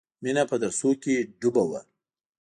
مینه په درسونو کې ډوبه وه